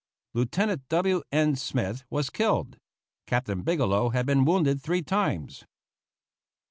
Lieutenant W. N. Smith was killed. Captain Bigelow had been wounded three times.